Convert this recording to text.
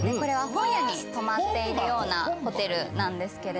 本屋に泊まっているようなホテルなんです。